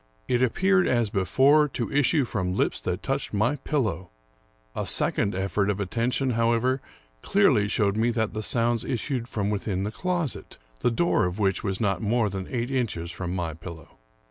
It appeared, as before, to issue from lips that touched my pillow. A second effort of attention, however, clearly showed me that the sounds issued from within the closet, the door of which was not more than eight inches from my pillow.